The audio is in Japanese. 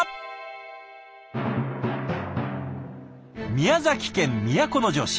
宮崎県都城市。